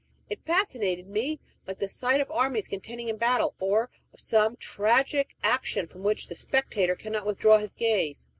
It fascinated me, like the sight of armies contending in battle, or of some tragic action from which the spectator cannot withdraw his gaze.